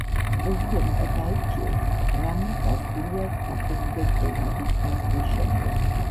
პრეზიდენტად აირჩიეს რამონ კასტილიას საპრეზიდენტო ვადის გასვლის შემდეგ.